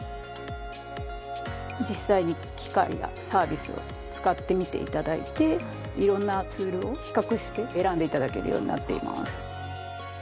実際に機械やサービスを使ってみて頂いて色んなツールを比較して選んで頂けるようになっています。